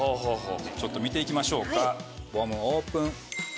ちょっと見て行きましょうか『ＢＯＭＢ！』オープン。